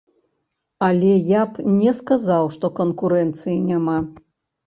Але я б не сказаў, што канкурэнцыі няма.